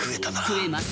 食えます。